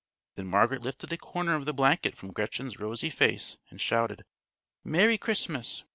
Then Margaret lifted a corner of the blanket from Gretchen's rosy face and shouted "Merry Christmas!"